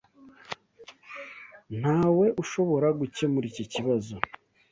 Ntawe ushobora gukemura iki kibazo.